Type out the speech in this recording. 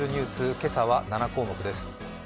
今朝は７項目です。